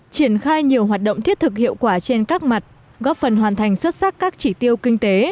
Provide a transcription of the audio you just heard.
triển khai nhiều hoạt động thiết thực hiệu quả trên các mặt góp phần hoàn thành xuất sắc các chỉ tiêu kinh tế